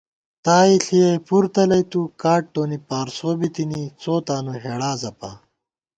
تائےݪِیَئ پُر تلَئیتُو کاٹ تونی پارسو بِتِنی ، څو تانُو ہېڑا زپا